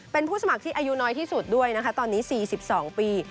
เป็นผู้สมัครที่อายุน้อยที่สุดด้วยนะคะตอนนี้๔๒ปี